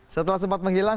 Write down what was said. setelah sempat menghilang